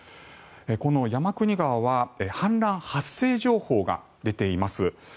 この山国川は氾濫発生情報が出ています。